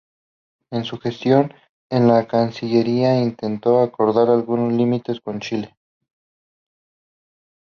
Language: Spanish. En su gestión en la Cancillería intentó acordar algunos límites con Chile.